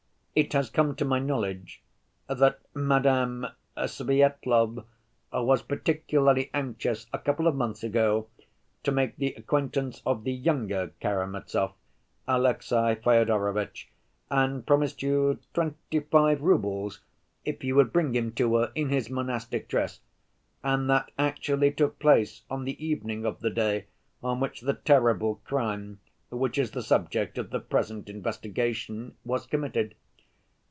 It has come to my knowledge that Madame Svyetlov was particularly anxious a couple of months ago to make the acquaintance of the younger Karamazov, Alexey Fyodorovitch, and promised you twenty‐five roubles, if you would bring him to her in his monastic dress. And that actually took place on the evening of the day on which the terrible crime, which is the subject of the present investigation, was committed.